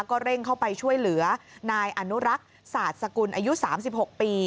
ก็เร่งเข้าไปช่วยเหลือนายอนุรักษ์ศาสตร์สกุลอายุ๓๖ปี